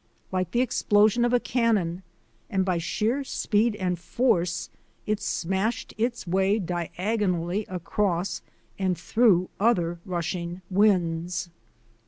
Like the explosion of a cannon and by sheer speed and force, it smashed its way diagonally across and through other rushing winds.